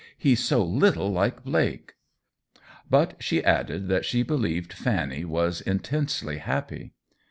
He's so little like Blake !" But she added that she believed Eanny was intensely happy.